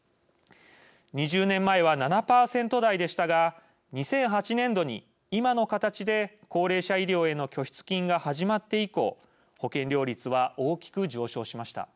２０年前は７％台でしたが２００８年度に今の形で高齢者医療への拠出金が始まって以降保険料率は大きく上昇しました。